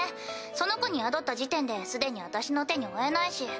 その子に宿った時点で既に私の手に負えないし。